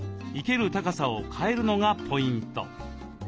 生ける高さを変えるのがポイント。